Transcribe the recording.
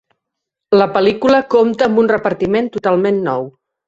La pel·lícula compta amb un repartiment totalment nou.